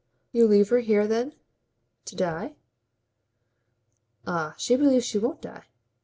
"You leave her here then to die?" "Ah she believes she won't die.